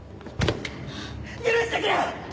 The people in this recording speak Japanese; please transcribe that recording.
許してくれ！